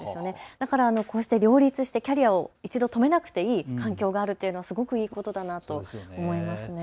だからこうして両立してキャリアを１度止めなくていい環境があるっていうのはすごくいいことだなと思います。